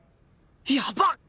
やばっ